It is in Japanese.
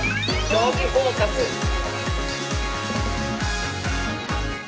「将棋フォーカス」です。